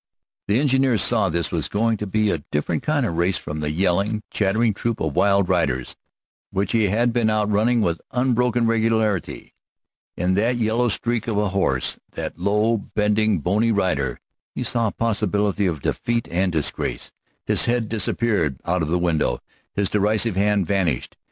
The engineer saw that this was going to be a different kind of race from the yelling, chattering troop of wild riders which he had been outrunning with unbroken regularity. In that yellow streak of horse, that low bending, bony rider, he saw a possibility of defeat and disgrace. His head disappeared out of the window, his derisive hand vanished.